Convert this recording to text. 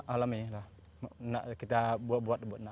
alami kita buat buat